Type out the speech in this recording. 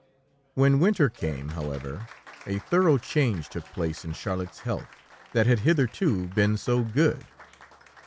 When winter came, however, a thorough change took place in Charlotte's health, that had hitherto been so good.